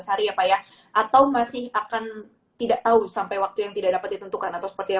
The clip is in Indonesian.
atau masih akan tidak tahu sampai waktu yang tidak dapat ditentukan